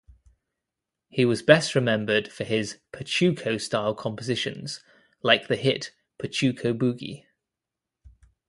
He was best remembered for his Pachuco-style compositions like the hit "Pachuco Boogie".